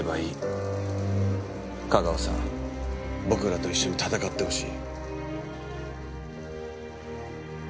架川さん僕らと一緒に戦ってほしい。